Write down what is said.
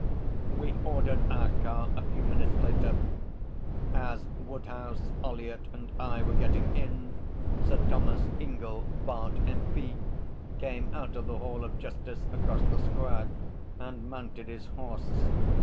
We ordered our car a few minutes later. As Woodhouse, Ollyett and I were getting in, Sir Thomas Ingell, Bart., M.P., came out of the Hall of Justice across the square and mounted his horse.